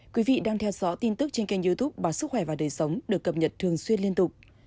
quý vị đang theo dõi tin tức trên kênh youtube báo sức khỏe và đời sống được cập nhật thường xuyên liên tục